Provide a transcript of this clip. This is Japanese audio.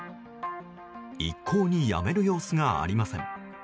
一向にやめる様子がありません。